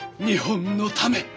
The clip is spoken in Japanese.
日本のため。